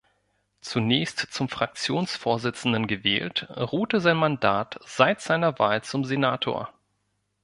Zunächst zum Fraktionsvorsitzenden gewählt, ruhte sein Mandat seit seiner Wahl zum Senator.